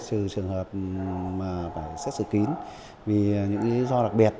trừ trường hợp mà phải xét xử kín vì những lý do đặc biệt